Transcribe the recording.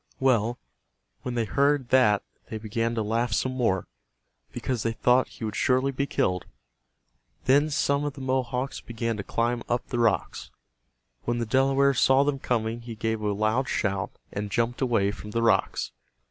Well, when they heard that they began to laugh some more, because they thought he would surely be killed. Then some of the Mohawks began to climb up the rocks. When the Delaware saw them coming he gave a loud shout and jumped away from the rocks.